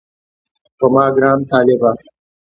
پر ما ګران طالبه